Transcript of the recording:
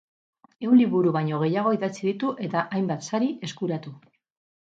Ehun liburu baino gehiago idatzi ditu eta hainbat sari eskuratu.